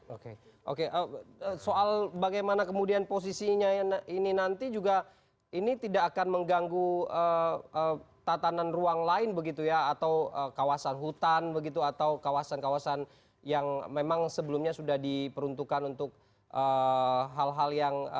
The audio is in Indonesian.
oke oke soal bagaimana kemudian posisinya ini nanti juga ini tidak akan mengganggu tatanan ruang lain begitu ya atau kawasan hutan begitu atau kawasan kawasan yang memang sebelumnya sudah diperuntukkan untuk hal hal yang